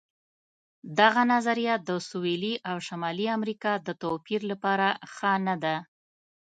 دا نظریه د سویلي او شمالي امریکا د توپیر لپاره ښه نه ده.